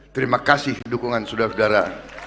terima kasih dukungan saudara saudara